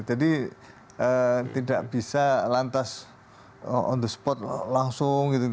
jadi tidak bisa lantas on the spot langsung gitu